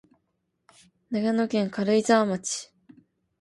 長野県軽井沢町